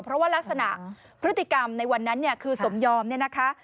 เพราะว่ารักษณะพฤติกรรมในวันนั้นเนี่ยคือสมยอมเนี่ยนะคะ